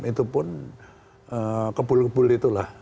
itu pun kebul kebul itulah